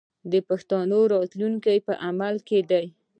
د پښتو راتلونکی په عمل کې دی.